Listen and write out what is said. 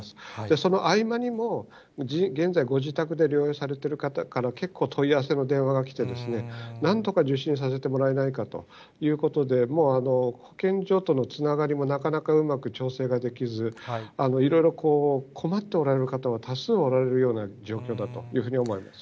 その合間にも、現在、ご自宅で療養されている方から、結構問い合わせの電話が来て、なんとか受診させてもらえないかということで、もう保健所とのつながりもなかなかうまく調整ができず、いろいろ困っておられる方は多数おられるような状況だと思います。